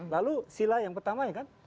lalu sila yang pertama ya kan